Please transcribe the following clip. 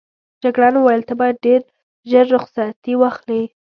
جګړن وویل ته باید ډېر ژر رخصتي واخلې.